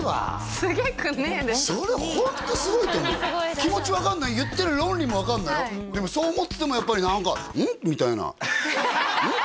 それホントすごいと思う気持ち分かるのよ言ってる論理も分かるのよでもそう思っててもやっぱり何か「ん？」みたいな何？